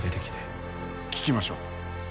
聞きましょう。